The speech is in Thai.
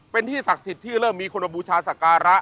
เป็นที่ศักดิ์สิทธิ์ที่เริ่มมีคนมาบูชาศักระ